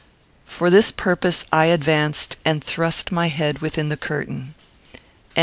For this purpose I advanced and thrust my head within the curtain.